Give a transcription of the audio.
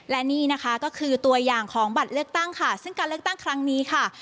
และนี่นะคะก็คือตัวอย่างของบัตรเลือกตั้งค่ะซึ่งการเลือกตั้งครั้งนี้ค่ะ